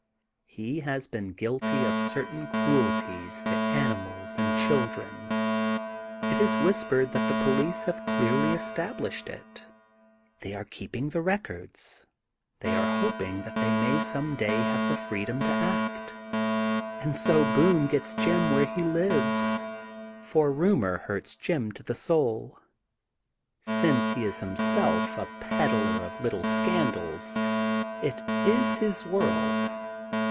He has been guilty of certain cruelties to animals and children. It is whispered that the THE GOLDEN BOOK OF SPRINGFIELD 165 police have clearly established it. They are keeping the records. They are hoping they may some day have the freedom to act. And so Boone gets Jim where he lives/' for rumor hurts Jim to the soul. Since he is him self a peddler of little scandals, it is his world.